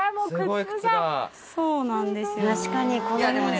そうなんですよね。